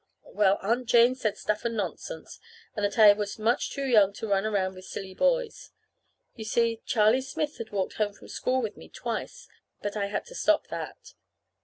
Well, Aunt Jane said stuff and nonsense, and that I was much too young to run around with silly boys. You see, Charlie Smith had walked home from school with me twice, but I had to stop that.